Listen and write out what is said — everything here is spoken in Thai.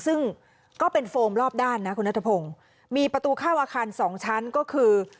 ซึ่งก็เป็นโฟมรอบด้านนะคุณนัทพงศ์มีประตูเข้าอาคารสองชั้นก็คือ